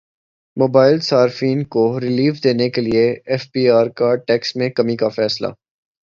mobile صارفین کو relief دینے کیلئے ایف بی ار کا ٹیکسز میں کمی کا فیصلہ